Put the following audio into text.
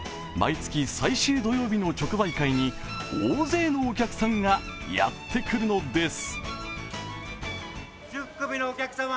毎月最終土曜日の直売会に大勢のお客さんがやってくるのです。